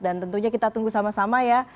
dan tentunya kita tunggu sama sama ya